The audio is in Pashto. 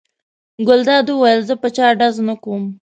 ګلداد وویل: زه په چا ډز نه کوم.